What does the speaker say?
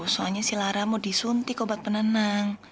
soalnya si laramu disuntik obat penenang